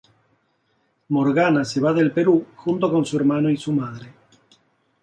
Morgana se va del Perú junto con su hermano y su madre.